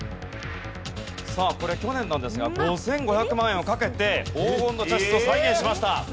さあこれ去年なんですが５５００万円をかけて黄金の茶室を再現しました。